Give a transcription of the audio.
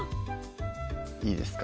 いいですか？